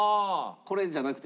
これじゃなくて？